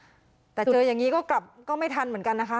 แต่เจออย่างนี้ก็กลับก็ไม่ทันเหมือนกันนะคะ